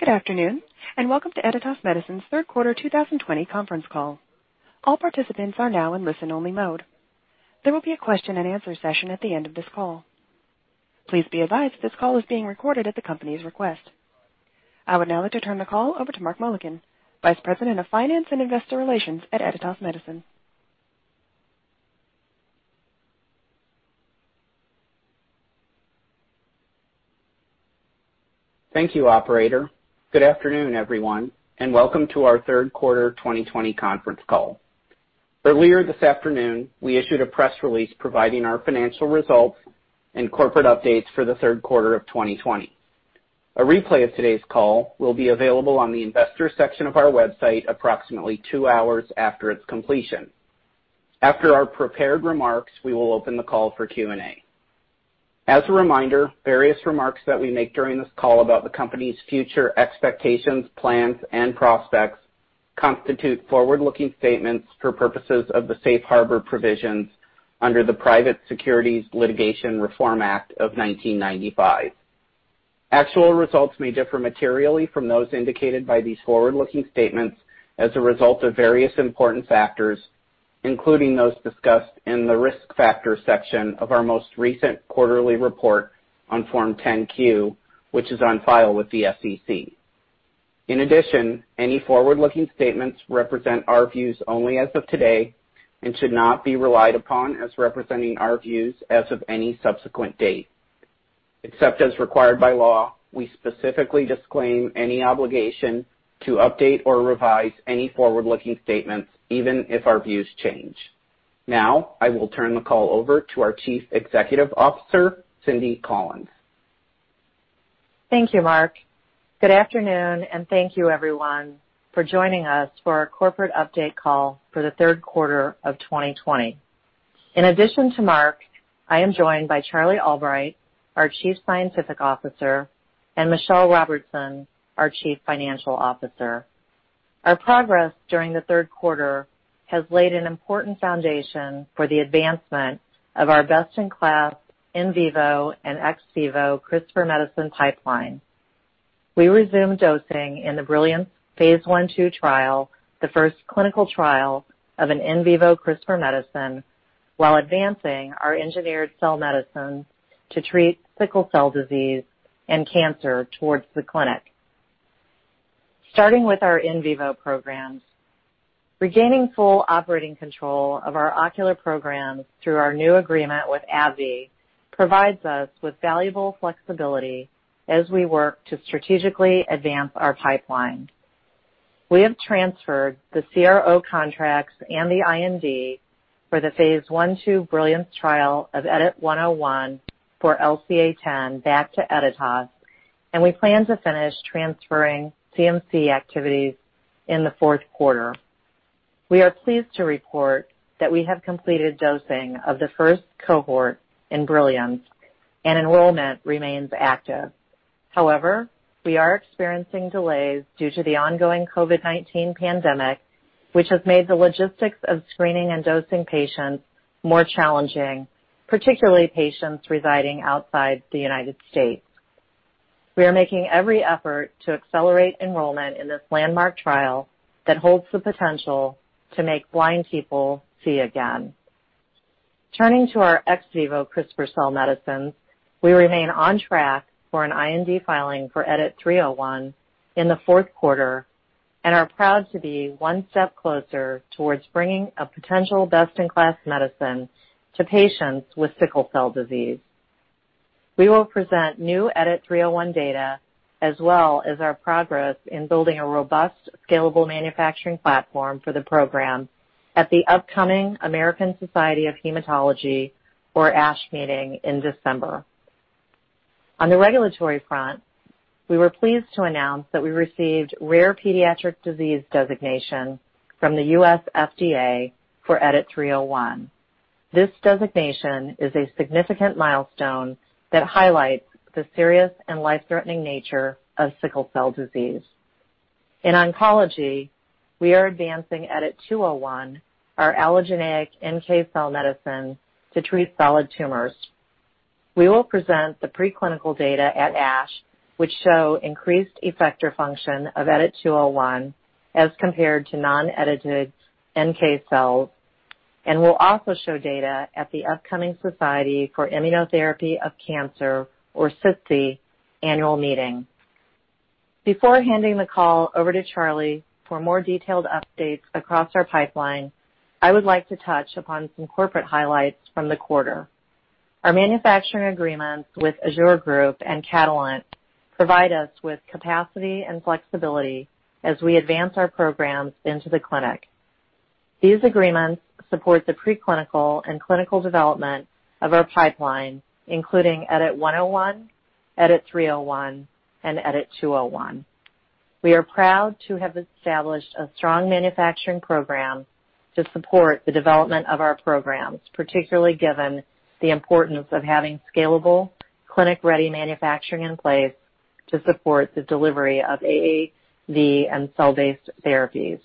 Good afternoon. Welcome to Editas Medicine's Third Quarter 2020 Conference Call. All participants are now in listen-only mode. There will be a question-and-answer session at the end of this call. Please be advised this call is being recorded at the company's request. I would now like to turn the call over to Mark Mullikin, Vice President of Finance and Investor Relations at Editas Medicine. Thank you, operator. Good afternoon, everyone, and welcome to our Third Quarter 2020 Conference Call. Earlier this afternoon, we issued a press release providing our financial results and corporate updates for the third quarter of 2020. A replay of today's call will be available on the investors section of our website approximately two hours after its completion. After our prepared remarks, we will open the call for Q&A. As a reminder, various remarks that we make during this call about the company's future expectations, plans, and prospects constitute forward-looking statements for purposes of the safe harbor provisions under the Private Securities Litigation Reform Act of 1995. Actual results may differ materially from those indicated by these forward-looking statements as a result of various important factors, including those discussed in the risk factors section of our most recent quarterly report on Form 10-Q, which is on file with the SEC. In addition, any forward-looking statements represent our views only as of today and should not be relied upon as representing our views as of any subsequent date. Except as required by law, we specifically disclaim any obligation to update or revise any forward-looking statements, even if our views change. Now, I will turn the call over to our Chief Executive Officer, Cynthia Collins. Thank you, Mark. Good afternoon, and thank you everyone for joining us for our corporate update call for the third quarter of 2020. In addition to Mark, I am joined by Charlie Albright, our Chief Scientific Officer, and Michelle Robertson, our Chief Financial Officer. Our progress during the third quarter has laid an important foundation for the advancement of our best-in-class in vivo and ex vivo CRISPR medicine pipeline. We resumed dosing in the BRILLIANCE phase I/II trial, the first clinical trial of an in vivo CRISPR medicine, while advancing our engineered cell medicine to treat sickle cell disease and cancer towards the clinic. Starting with our in vivo programs, regaining full operating control of our ocular programs through our new agreement with AbbVie provides us with valuable flexibility as we work to strategically advance our pipeline. We have transferred the CRO contracts and the IND for the Phase I/II BRILLIANCE trial of EDIT-101 for LCA10 back to Editas, and we plan to finish transferring CMC activities in the fourth quarter. We are pleased to report that we have completed dosing of the first cohort in BRILLIANCE, and enrollment remains active. However, we are experiencing delays due to the ongoing COVID-19 pandemic, which has made the logistics of screening and dosing patients more challenging, particularly patients residing outside the United States. We are making every effort to accelerate enrollment in this landmark trial that holds the potential to make blind people see again. Turning to our ex vivo CRISPR cell medicines, we remain on track for an IND filing for EDIT-301 in the fourth quarter and are proud to be one step closer towards bringing a potential best-in-class medicine to patients with sickle cell disease. We will present new EDIT-301 data, as well as our progress in building a robust, scalable manufacturing platform for the program at the upcoming American Society of Hematology, or ASH, meeting in December. On the regulatory front, we were pleased to announce that we received Rare Pediatric Disease Designation from the U.S. FDA for EDIT-301. This designation is a significant milestone that highlights the serious and life-threatening nature of sickle cell disease. In oncology, we are advancing EDIT-201, our allogeneic NK cell medicine to treat solid tumors. We will present the pre-clinical data at ASH, which show increased effector function of EDIT-201 as compared to non-edited NK cells, and we'll also show data at the upcoming Society for Immunotherapy of Cancer, or SITC, annual meeting. Before handing the call over to Charlie for more detailed updates across our pipeline, I would like to touch upon some corporate highlights from the quarter. Our manufacturing agreements with Azzur Group and Catalent provide us with capacity and flexibility as we advance our programs into the clinic. These agreements support the pre-clinical and clinical development of our pipeline, including EDIT-101, EDIT-301, and EDIT-201. We are proud to have established a strong manufacturing program to support the development of our programs, particularly given the importance of having scalable, clinic-ready manufacturing in place to support the delivery of AAV and cell-based therapies.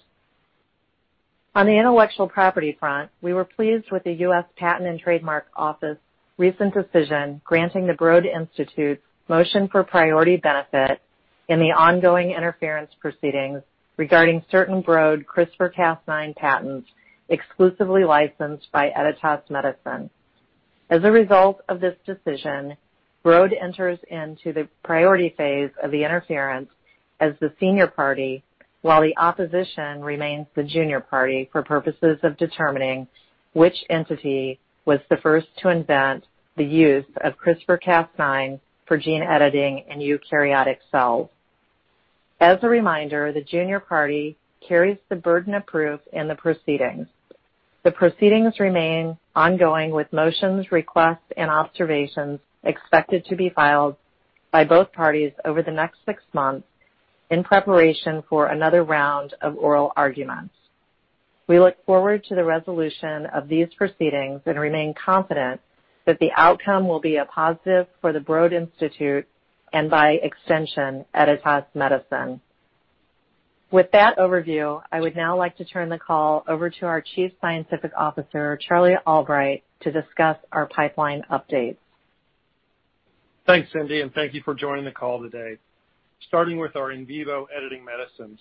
On the intellectual property front, we were pleased with the U.S. Patent and Trademark Office recent decision granting the Broad Institute's motion for priority benefit in the ongoing interference proceedings regarding certain Broad CRISPR-Cas9 patents exclusively licensed by Editas Medicine. As a result of this decision, Broad enters into the priority phase of the interference as the senior party, while the opposition remains the junior party for purposes of determining which entity was the first to invent the use of CRISPR-Cas9 for gene editing in eukaryotic cells. As a reminder, the junior party carries the burden of proof in the proceedings. The proceedings remain ongoing, with motions, requests, and observations expected to be filed by both parties over the next six months in preparation for another round of oral arguments. We look forward to the resolution of these proceedings and remain confident that the outcome will be a positive for the Broad Institute and, by extension, Editas Medicine. With that overview, I would now like to turn the call over to our Chief Scientific Officer, Charlie Albright, to discuss our pipeline updates. Thanks, Cynthia. Thank you for joining the call today. Starting with our in vivo editing medicines,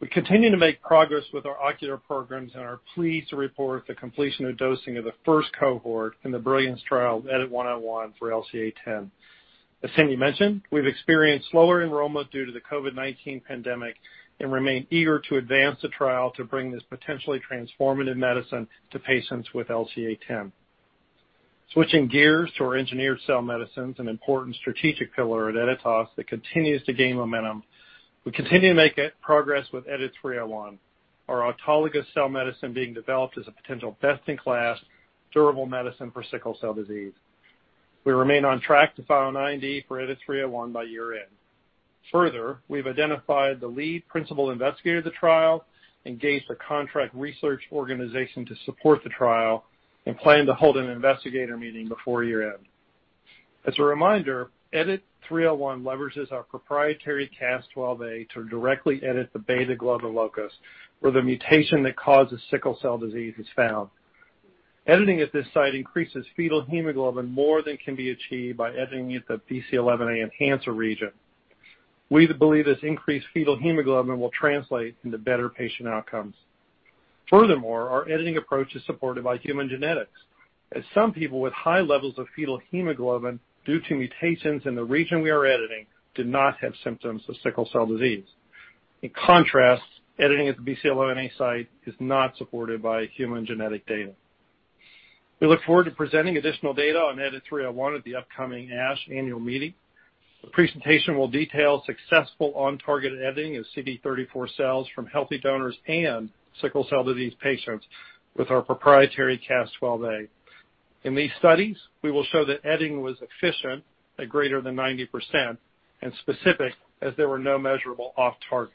we continue to make progress with our ocular programs and are pleased to report the completion of dosing of the first cohort in the BRILLIANCE trial EDIT-101 for LCA10. As Cynthia mentioned, we've experienced slower enrollment due to the COVID-19 pandemic and remain eager to advance the trial to bring this potentially transformative medicine to patients with LCA10. Switching gears to our engineered cell medicines, an important strategic pillar at Editas that continues to gain momentum, we continue to make progress with EDIT-301, our autologous cell medicine being developed as a potential best-in-class durable medicine for sickle cell disease. We remain on track to file an IND for EDIT-301 by year-end. Further, we've identified the lead principal investigator of the trial, engaged a contract research organization to support the trial, and plan to hold an investigator meeting before year-end. As a reminder, EDIT-301 leverages our proprietary Cas12a to directly edit the beta globin locus, where the mutation that causes sickle cell disease is found. Editing at this site increases fetal hemoglobin more than can be achieved by editing at the BCL11A enhancer region. We believe this increased fetal hemoglobin will translate into better patient outcomes. Furthermore, our editing approach is supported by human genetics, as some people with high levels of fetal hemoglobin due to mutations in the region we are editing do not have symptoms of sickle cell disease. In contrast, editing at the BCL11A site is not supported by human genetic data. We look forward to presenting additional data on EDIT-301 at the upcoming ASH annual meeting. The presentation will detail successful on-target editing of CD34 cells from healthy donors and sickle cell disease patients with our proprietary Cas12a. In these studies, we will show that editing was efficient at greater than 90% and specific, as there were no measurable off-targets.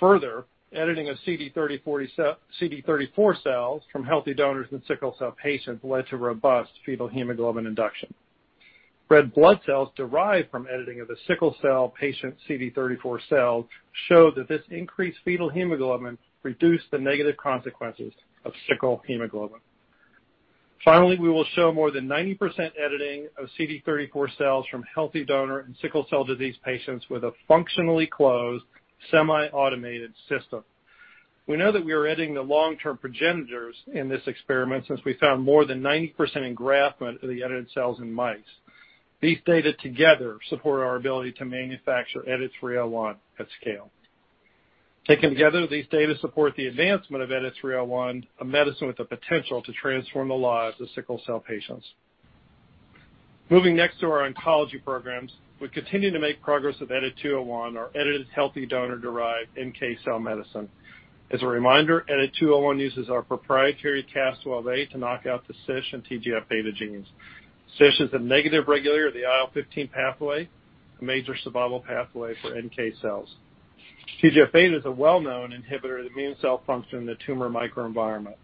Further, editing of CD34 cells from healthy donors and sickle cell patients led to robust fetal hemoglobin induction. Red blood cells derived from editing of the sickle cell patient CD34 cells show that this increased fetal hemoglobin reduced the negative consequences of sickle hemoglobin. Finally, we will show more than 90% editing of CD34 cells from healthy donor and sickle cell disease patients with a functionally closed semi-automated system. We know that we are editing the long-term progenitors in this experiment since we found more than 90% engraftment of the edited cells in mice. These data together support our ability to manufacture EDIT-301 at scale. Taken together, these data support the advancement of EDIT-301, a medicine with the potential to transform the lives of sickle cell patients. Moving next to our oncology programs, we continue to make progress with EDIT-201, our edited healthy donor-derived NK cell medicine. As a reminder, EDIT-201 uses our proprietary Cas12a to knock out the CISH and TGF-beta genes. CISH is a negative regulator of the IL-15 pathway, a major survival pathway for NK cells. TGF-beta is a well-known inhibitor of immune cell function in the tumor microenvironment.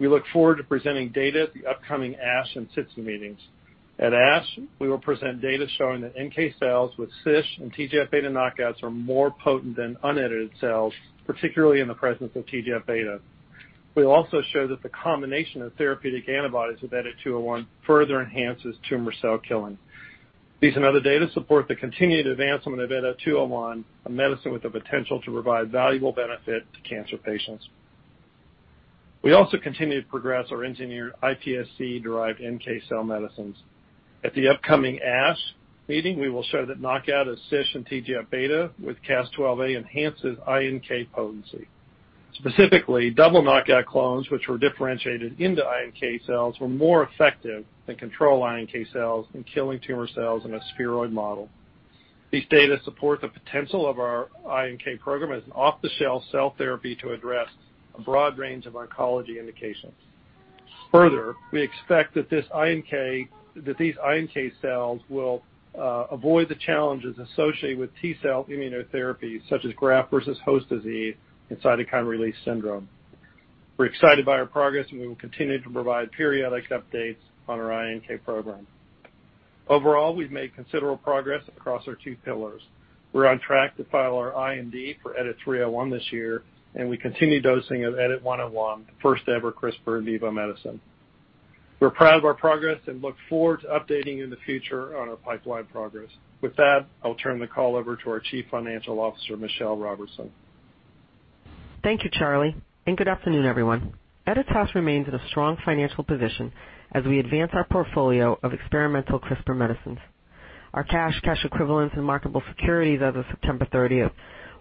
We look forward to presenting data at the upcoming ASH and SITC meetings. At ASH, we will present data showing that NK cells with CISH and TGF-beta knockouts are more potent than unedited cells, particularly in the presence of TGF-beta. We'll also show that the combination of therapeutic antibodies with EDIT-201 further enhances tumor cell killing. These data support the continued advancement of EDIT-201, a medicine with the potential to provide valuable benefit to cancer patients. We also continue to progress our engineered iPSC-derived NK cell medicines. At the upcoming ASH meeting, we will show that knockout of CISH and TGF-beta with Cas12a enhances iNK potency. Specifically, double knockout clones which were differentiated into iNK cells were more effective than control iNK cells in killing tumor cells in a spheroid model. These data support the potential of our iNK program as an off-the-shelf cell therapy to address a broad range of oncology indications. Further, we expect that these iNK cells will avoid the challenges associated with T-cell immunotherapy, such as graft versus host disease and cytokine release syndrome. We're excited by our progress, and we will continue to provide periodic updates on our iNK program. Overall, we've made considerable progress across our two pillars. We're on track to file our IND for EDIT-301 this year, and we continue dosing of EDIT-101, the first-ever CRISPR in vivo medicine. We're proud of our progress and look forward to updating you in the future on our pipeline progress. With that, I'll turn the call over to our Chief Financial Officer, Michelle Robertson. Thank you, Charlie, and good afternoon, everyone. Editas remains in a strong financial position as we advance our portfolio of experimental CRISPR medicines. Our cash equivalents, and marketable securities as of September 30th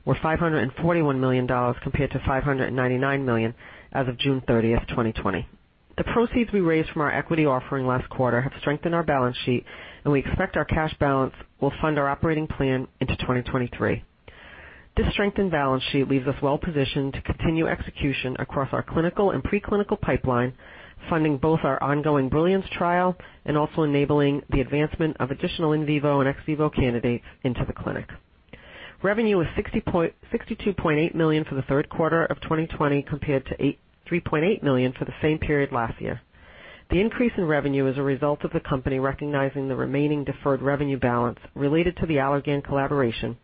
were $541 million, compared to $599 million as of June 30th, 2020. The proceeds we raised from our equity offering last quarter have strengthened our balance sheet, and we expect our cash balance will fund our operating plan into 2023. This strengthened balance sheet leaves us well-positioned to continue execution across our clinical and pre-clinical pipeline, funding both our ongoing BRILLIANCE trial and also enabling the advancement of additional in vivo and ex vivo candidates into the clinic. Revenue was $62.8 million for the third quarter of 2020 compared to $3.8 million for the same period last year. The increase in revenue is a result of the company recognizing the remaining deferred revenue balance related to the Allergan collaboration,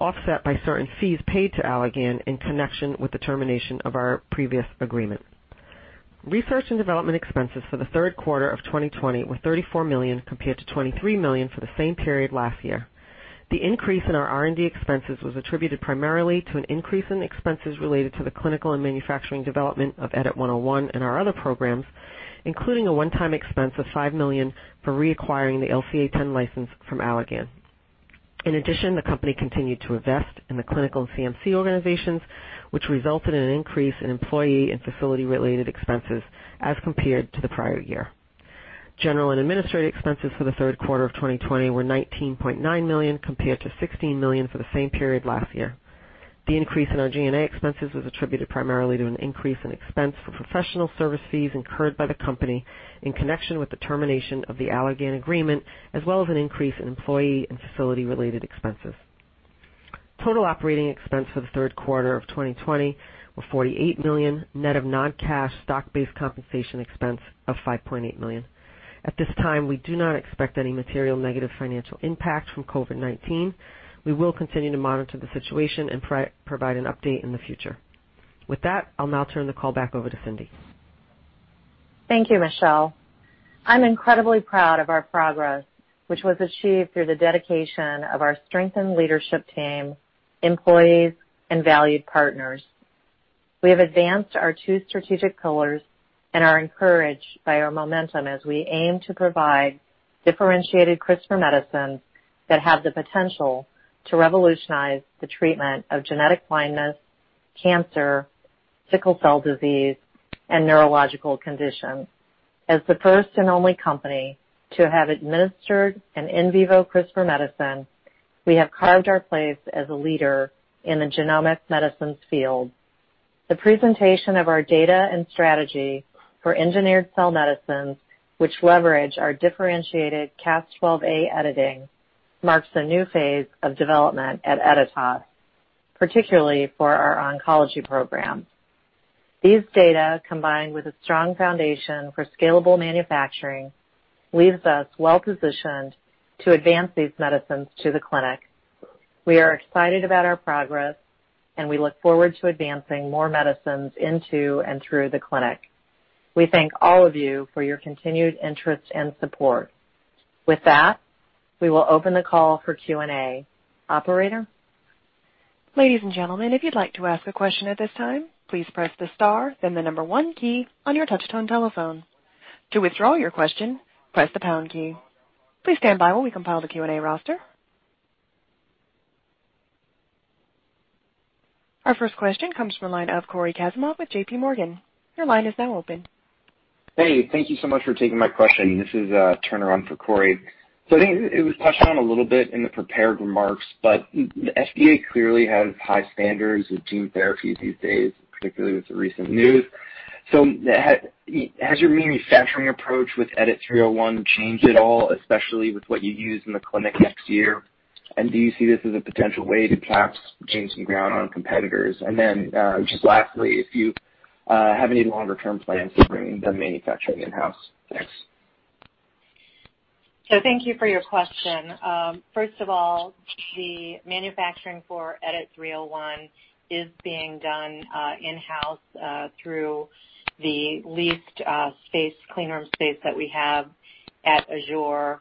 offset by certain fees paid to Allergan in connection with the termination of our previous agreement. Research and development expenses for the third quarter of 2020 were $34 million compared to $23 million for the same period last year. The increase in our R&D expenses was attributed primarily to an increase in expenses related to the clinical and manufacturing development of EDIT-101 and our other programs, including a one-time expense of $5 million for reacquiring the LCA10 license from Allergan. In addition, the company continued to invest in the clinical CMC organizations, which resulted in an increase in employee and facility-related expenses as compared to the prior year. General and administrative expenses for the third quarter of 2020 were $19.9 million, compared to $16 million for the same period last year. The increase in our G&A expenses was attributed primarily to an increase in expense for professional service fees incurred by the company in connection with the termination of the Allergan agreement, as well as an increase in employee and facility-related expenses. Total operating expense for the third quarter of 2020 were $48 million, net of non-cash stock-based compensation expense of $5.8 million. At this time, we do not expect any material negative financial impact from COVID-19. We will continue to monitor the situation and provide an update in the future. With that, I'll now turn the call back over to Cynthia. Thank you, Michelle. I'm incredibly proud of our progress, which was achieved through the dedication of our strengthened leadership team, employees, and valued partners. We have advanced our two strategic pillars and are encouraged by our momentum as we aim to provide differentiated CRISPR medicines that have the potential to revolutionize the treatment of genetic blindness, cancer, sickle cell disease, and neurological conditions. As the first and only company to have administered an in vivo CRISPR medicine, we have carved our place as a leader in the genomic medicines field. The presentation of our data and strategy for engineered cell medicines, which leverage our differentiated Cas12a editing, marks a new phase of development at Editas, particularly for our oncology program. These data, combined with a strong foundation for scalable manufacturing, leaves us well-positioned to advance these medicines to the clinic. We are excited about our progress, and we look forward to advancing more medicines into and through the clinic. We thank all of you for your continued interest and support. With that, we will open the call for Q&A. Operator? Ladies and gentlemen, if you'd like to ask a question at this time, please press the star then the number one key on your touch-tone telephone. To withdraw your question, press the pound key. Please stand by while we compile the Q&A roster. Our first question comes from the line of Cory Kasimov with JPMorgan. Your line is now open. Hey, thank you so much for taking my question. This is a turn-around for Cory. I think it was touched on a little bit in the prepared remarks, but the FDA clearly has high standards with gene therapies these days, particularly with the recent news. Has your manufacturing approach with EDIT-301 changed at all, especially with what you use in the clinic next year? Do you see this as a potential way to perhaps gain some ground on competitors? Just lastly, if you have any longer-term plans for bringing the manufacturing in-house. Thanks. Thank you for your question. First of all, the manufacturing for EDIT-301 is being done in-house through the leased clean room space that we have at Azzur,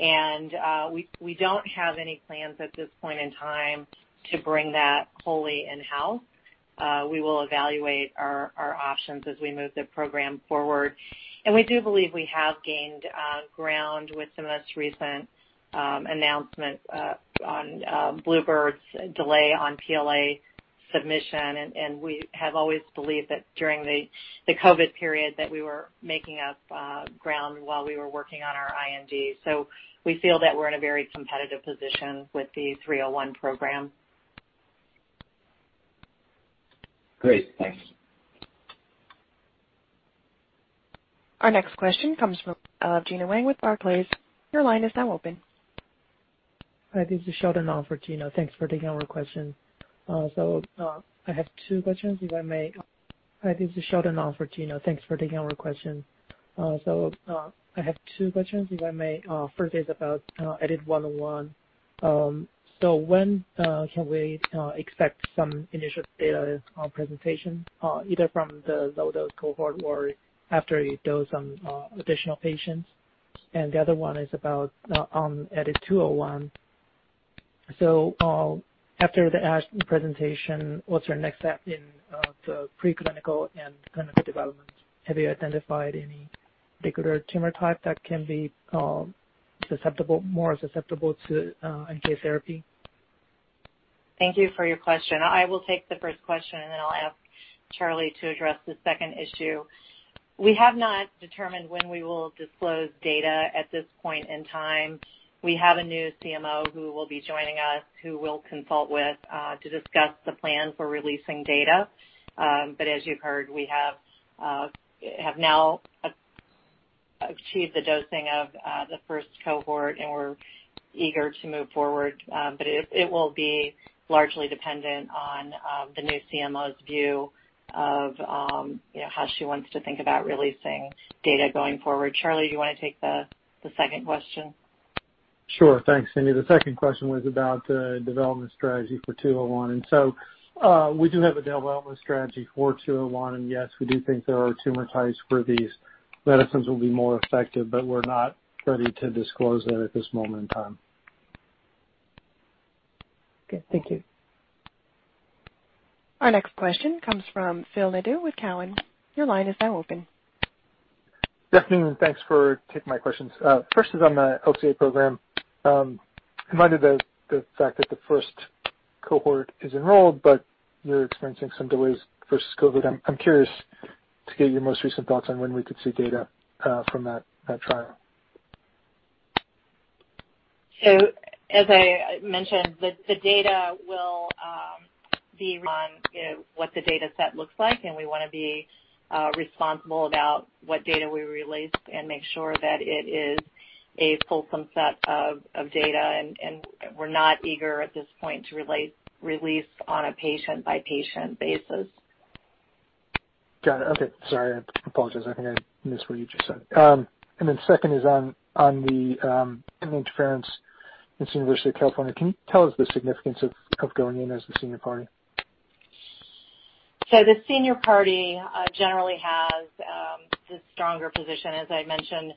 we don't have any plans at this point in time to bring that wholly in-house. We will evaluate our options as we move the program forward. We do believe we have gained ground with the most recent announcement on bluebird's delay on BLA submission, we have always believed that during the COVID period that we were making up ground while we were working on our IND. We feel that we're in a very competitive position with the 301 program. Great. Thanks. Our next question comes from Gena Wang with Barclays. Your line is now open. Hi, this is Sheldon on for Gena. Thanks for taking our question. I have two questions, if I may. First is about EDIT-101. When can we expect some initial data presentation, either from the low-dose cohort or after you dose some additional patients? The other one is about on EDIT-201. After the ASH presentation, what's your next step in the preclinical and clinical development? Have you identified any particular tumor type that can be more susceptible to NK therapy? Thank you for your question. I will take the first question. I'll ask Charlie to address the second issue. We have not determined when we will disclose data at this point in time. We have a new CMO who will be joining us, who we'll consult with to discuss the plan for releasing data. As you've heard, we have now achieved the dosing of the first cohort. We're eager to move forward. It will be largely dependent on the new CMO's view of how she wants to think about releasing data going forward. Charlie, do you want to take the second question? Sure. Thanks, Cynthia. The second question was about the development strategy for 201, and so we do have a development strategy for 201, and yes, we do think there are tumor types where these medicines will be more effective, but we're not ready to disclose that at this moment in time. Okay, thank you. Our next question comes from Phil Nadeau with Cowen. Your line is now open. Good afternoon. Thanks for taking my questions. First is on the LCA program. I'm reminded of the fact that the first cohort is enrolled, but you're experiencing some delays versus COVID. I'm curious to get your most recent thoughts on when we could see data from that trial. As I mentioned, the data will be on what the data set looks like, and we want to be responsible about what data we release and make sure that it is a fulsome set of data, and we're not eager at this point to release on a patient-by-patient basis. Got it. Okay. Sorry, I apologize. I think I missed what you just said. Second is on the interference with the University of California. Can you tell us the significance of going in as the senior party? The senior party generally has the stronger position. As I mentioned,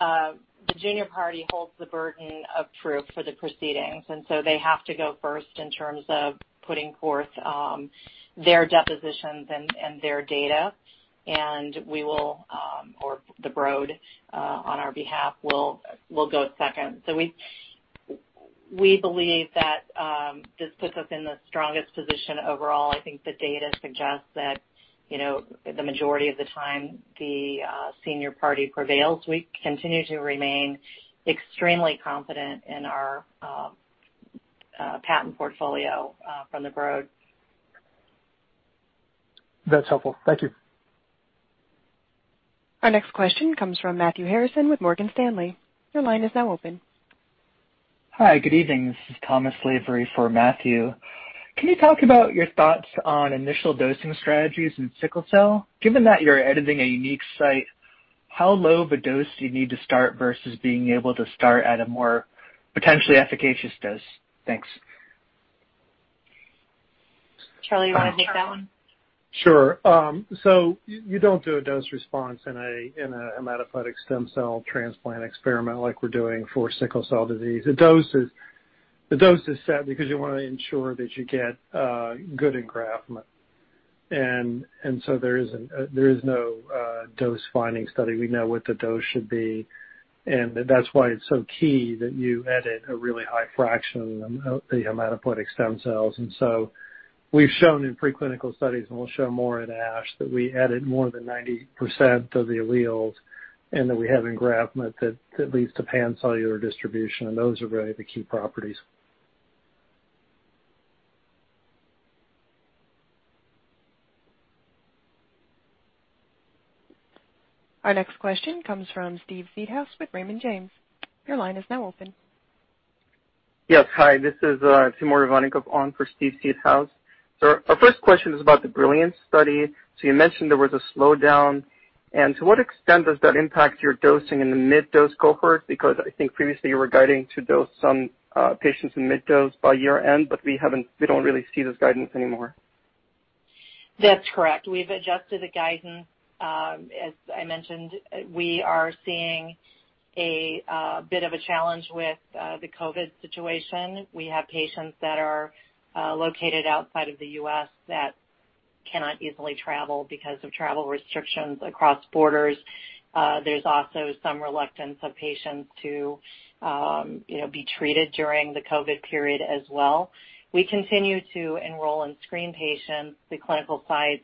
the junior party holds the burden of proof for the proceedings, they have to go first in terms of putting forth their depositions and their data. We will, or the Broad, on our behalf, will go second. We believe that this puts us in the strongest position overall. I think the data suggests that the majority of the time, the senior party prevails. We continue to remain extremely confident in our patent portfolio from the Broad. That's helpful. Thank you. Our next question comes from Matthew Harrison with Morgan Stanley. Your line is now open. Hi, good evening. This is Thomas Lavery for Matthew. Can you talk about your thoughts on initial dosing strategies in sickle cell? Given that you're editing a unique site, how low of a dose do you need to start versus being able to start at a more potentially efficacious dose? Thanks. Charlie, you want to take that one? You don't do a dose response in a hematopoietic stem cell transplant experiment like we're doing for sickle cell disease. The dose is set because you want to ensure that you get good engraftment. There is no dose-finding study. We know what the dose should be, and that's why it's so key that you edit a really high fraction of the hematopoietic stem cells. We've shown in preclinical studies, and we'll show more at ASH, that we edit more than 90% of the alleles and that we have engraftment that leads to pancellular distribution, and those are really the key properties. Our next question comes from Steve Seedhouse with Raymond James. Your line is now open. Yes. Hi, this is Timur Ivannikov on for Steve Seedhouse. Our first question is about the BRILLIANCE study. You mentioned there was a slowdown. To what extent does that impact your dosing in the mid-dose cohort? I think previously you were guiding to dose some patients in mid-dose by year-end, but we don't really see this guidance anymore. That's correct. We've adjusted the guidance. As I mentioned, we are seeing a bit of a challenge with the COVID situation. We have patients that are located outside of the U.S. that cannot easily travel because of travel restrictions across borders. There's also some reluctance of patients to be treated during the COVID period as well. We continue to enroll and screen patients. The clinical sites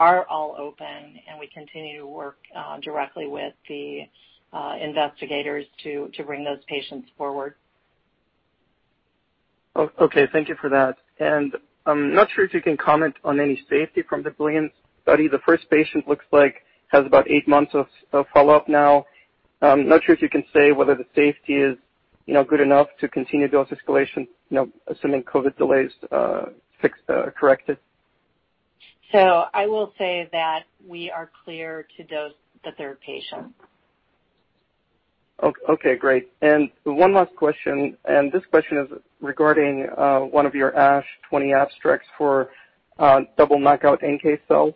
are all open, and we continue to work directly with the investigators to bring those patients forward. Okay, thank you for that. I'm not sure if you can comment on any safety from the BRILLIANCE study. The first patient looks like has about eight months of follow-up now. I'm not sure if you can say whether the safety is good enough to continue dose escalation, assuming COVID delays corrected. I will say that we are clear to dose the third patient. Okay, great. One last question, and this question is regarding one of your ASH 20 abstracts for double knockout NK cells.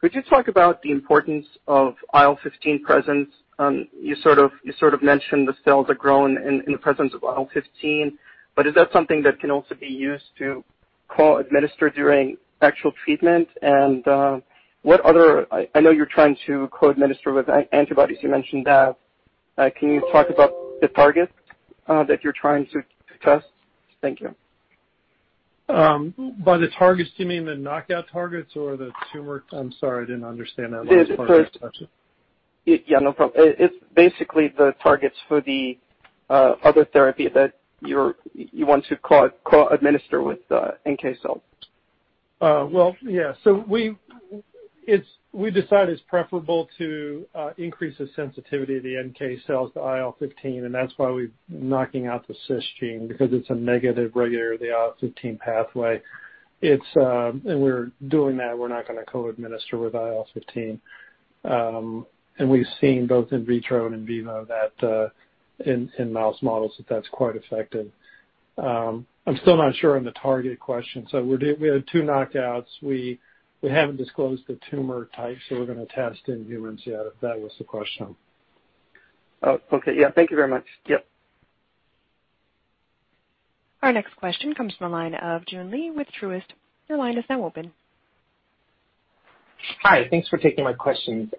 Could you talk about the importance of IL-15 presence? You sort of mentioned the cells are grown in the presence of IL-15, is that something that can also be used to co-administer during actual treatment? I know you're trying to co-administer with antibodies, you mentioned that. Can you talk about the targets that you're trying to test? Thank you. By the targets, do you mean the knockout targets or the tumor? I'm sorry, I didn't understand that last part. Yeah, no problem. It's basically the targets for the other therapy that you want to co-administer with the NK cells. Well, yeah. We decided it's preferable to increase the sensitivity of the NK cells to IL-15, and that's why we're knocking out the CISH gene, because it's a negative regulator of the IL-15 pathway. In doing that, we're not going to co-administer with IL-15. We've seen both in vitro and in vivo, in mouse models, that's quite effective. I'm still not sure on the target question. We had two knockouts. We haven't disclosed the tumor type, we're going to test in humans yet, if that was the question. Oh, okay. Yeah. Thank you very much. Yep. Our next question comes from the line of Joon Lee with Truist. Your line is now open. Hi, thanks for taking my questions.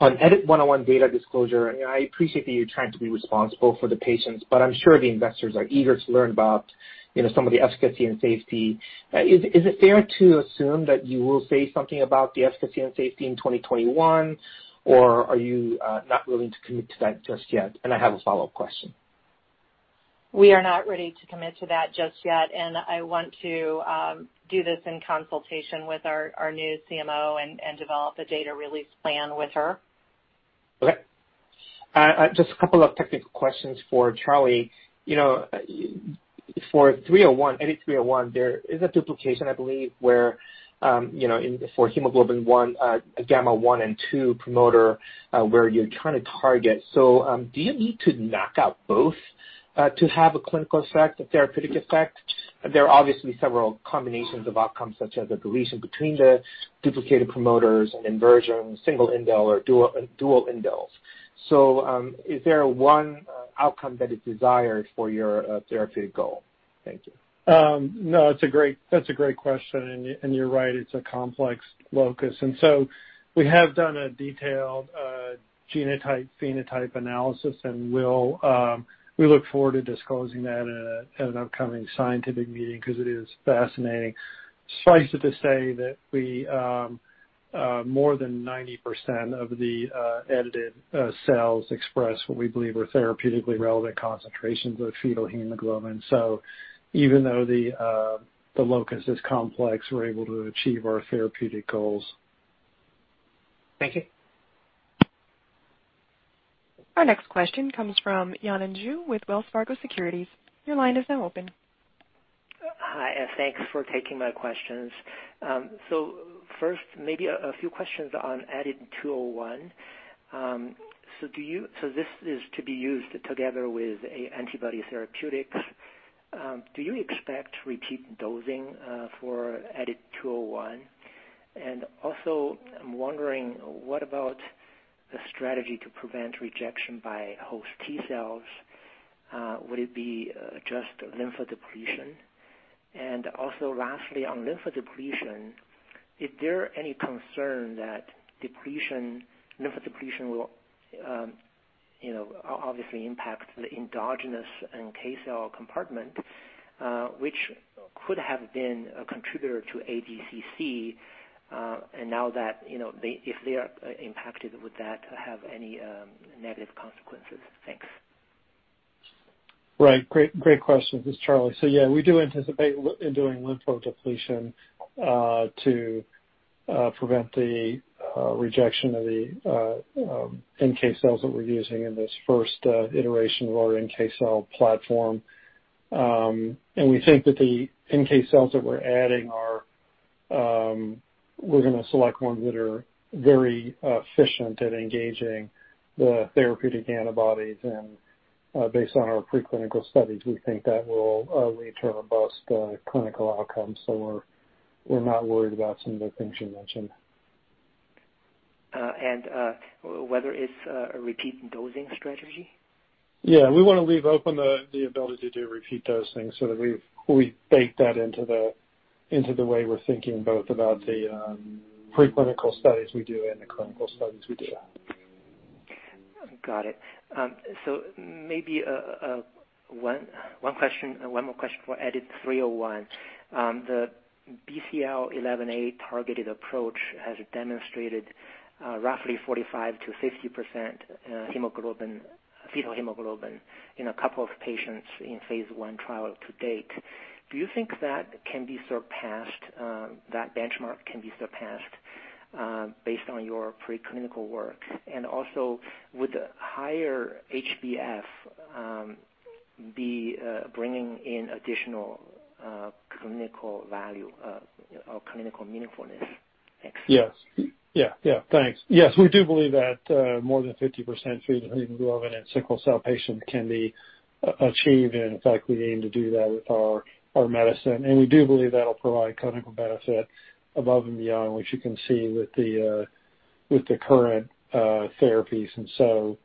On EDIT-101 data disclosure, I appreciate that you're trying to be responsible for the patients, but I'm sure the investors are eager to learn about some of the efficacy and safety. Is it fair to assume that you will say something about the efficacy and safety in 2021, or are you not willing to commit to that just yet? I have a follow-up question. We are not ready to commit to that just yet, and I want to do this in consultation with our new CMO and develop a data release plan with her. Okay. Just a couple of technical questions for Charlie. For EDIT-301, there is a duplication, I believe, for hemoglobin gamma one and two promoter where you're trying to target. Do you need to knock out both to have a clinical effect, a therapeutic effect? There are obviously several combinations of outcomes such as a deletion between the duplicated promoters, an inversion, single indel or dual indels. Is there one outcome that is desired for your therapeutic goal? Thank you. No, that's a great question, and you're right, it's a complex locus. We have done a detailed genotype/phenotype analysis, and we look forward to disclosing that at an upcoming scientific meeting because it is fascinating. Suffice it to say that more than 90% of the edited cells express what we believe are therapeutically relevant concentrations of fetal hemoglobin. Even though the locus is complex, we're able to achieve our therapeutic goals. Thank you. Our next question comes from Yanan Zhu with Wells Fargo Securities. Your line is now open. Hi, thanks for taking my questions. First, maybe a few questions on EDIT-201. This is to be used together with an antibody therapeutics. Do you expect repeat dosing for EDIT-201? Also, I'm wondering, what about the strategy to prevent rejection by host T cells? Would it be just lymphodepletion? Also lastly, on lymphodepletion, is there any concern that lymphodepletion will obviously impact the endogenous NK cell compartment which could have been a contributor to ADCC, and now if they are impacted with that, have any negative consequences? Thanks. Right. Great questions. It's Charlie. Yeah, we do anticipate in doing lymphodepletion to prevent the rejection of the NK cells that we're using in this first iteration of our NK cell platform. We think that the NK cells that we're adding, we're going to select ones that are very efficient at engaging the therapeutic antibodies. And based on our preclinical studies, we think that will lead to a robust clinical outcome, so we're not worried about some of the things you mentioned. Whether it's a repeat dosing strategy? Yeah, we want to leave open the ability to do repeat dosing so that we bake that into the way we're thinking both about the preclinical studies we do and the clinical studies we do. Got it. Maybe one more question for EDIT-301. The BCL11A targeted approach has demonstrated roughly 45%-50% fetal hemoglobin in a couple of patients in phase I trial to date. Do you think that benchmark can be surpassed based on your preclinical work? Also, would the higher HbF be bringing in additional clinical value or clinical meaningfulness? Thanks. Yeah. Thanks. Yes, we do believe that more than 50% fetal hemoglobin in sickle cell patients can be achieved. In fact, we aim to do that with our medicine. We do believe that'll provide clinical benefit above and beyond what you can see with the current therapies.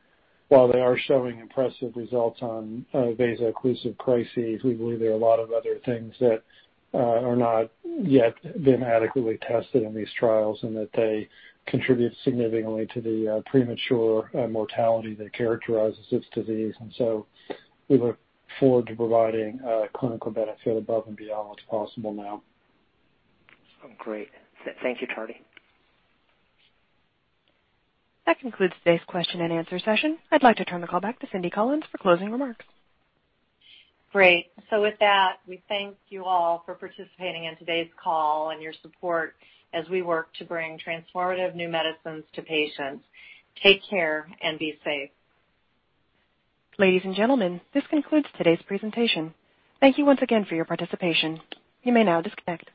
While they are showing impressive results on vaso-occlusive crises, we believe there are a lot of other things that are not yet been adequately tested in these trials and that they contribute significantly to the premature mortality that characterizes this disease. We look forward to providing clinical benefit above and beyond what's possible now. Great. Thank you, Charlie. That concludes today's question-and-answer session. I'd like to turn the call back to Cynthia Collins for closing remarks. With that, we thank you all for participating in today's call and your support as we work to bring transformative new medicines to patients. Take care and be safe. Ladies and gentlemen, this concludes today's presentation. Thank you once again for your participation. You may now disconnect.